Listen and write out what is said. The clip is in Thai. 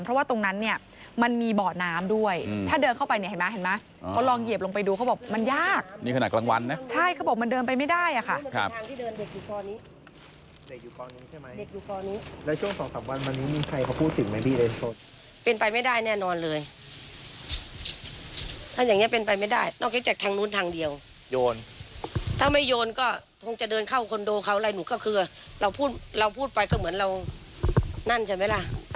เพราะว่าตรงนั้นเนี่ยมันมีเบาะน้ำด้วยถ้าเดินเข้าไปเนี่ยเห็นมั้ย